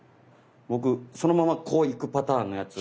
僕そのままこういくパターンのやつ